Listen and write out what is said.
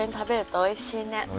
おいしいね。